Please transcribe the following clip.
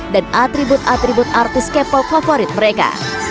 dan atribut atribut artis k pop favorit mereka